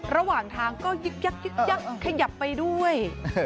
ระหว่างทางก็ยับขยับไปด้วย